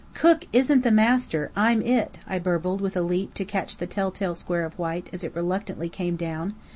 "Cook isn't the master. I'm it," I burbled, with a leap to catch the tell tale square of white as it reluctantly came down.